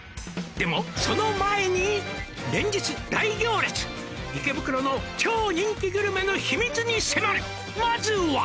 「でもその前に連日大行列」「池袋の超人気グルメの秘密に迫る」